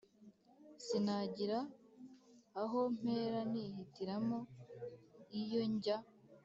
Sinagira aho mpera Nihitiramo iyo njya